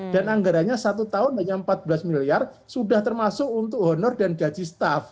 dan anggaranya satu tahun punya empat belas miliar sudah termasuk untuk honor dan gaji staff